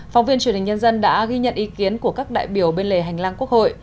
phóng viên truyền hình nhân dân đã ghi nhận ý kiến của các đại biểu bên lề hành lang quốc hội